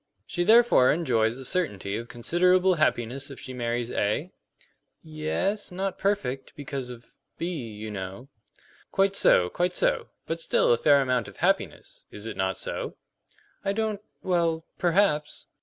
"She therefore enjoys a certainty of considerable happiness if she marries A?" "Ye es; not perfect, because of B, you know." "Quite so, quite so; but still a fair amount of happiness. Is it not so?" "I don't well, perhaps."